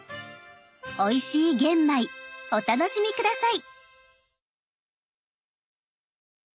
おいしい玄米お楽しみ下さい！